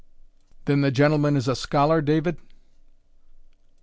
"Then the gentleman is a scholar, David?"